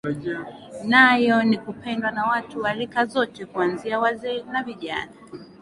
Nayo ni kupendwa na watu wa Rika zote kuanzia wazee na vijana